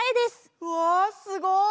うわすごい！